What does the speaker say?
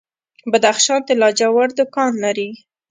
بدخشان د لاجوردو کان لري